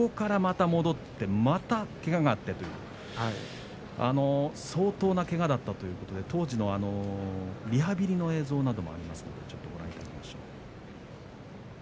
そこからまた戻ってまたけががあってということで相当なけがだったということで当時のリハビリの映像が残っています。